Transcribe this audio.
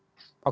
pak surya paloh